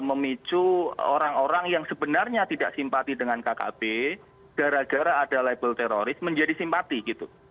memicu orang orang yang sebenarnya tidak simpati dengan kkb gara gara ada label teroris menjadi simpati gitu